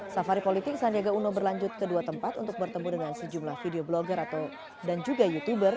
safari politik sandiaga uno berlanjut ke dua tempat untuk bertemu dengan sejumlah video blogger dan juga youtuber